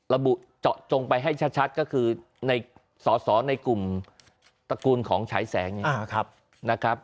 และจงไปให้ชัดก็คือในสอสอในกลุ่มตระกูลของฉายแสงนะครับ